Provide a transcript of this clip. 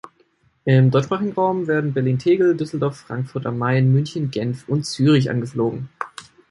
Im deutschsprachigen Raum werden Berlin-Tegel, Düsseldorf, Frankfurt am Main, München, Genf und Zürich angeflogen.